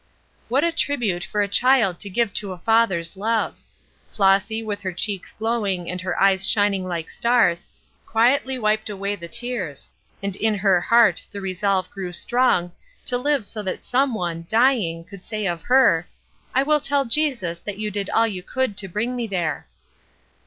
What a tribute for a child to give to a father's love! Flossy, with her cheeks glowing and her eyes shining like stars, quietly wiped away the tears, and in her heart the resolve grew strong to live so that some one, dying, could say of her: "I will tell Jesus that you did all you could to bring me there!"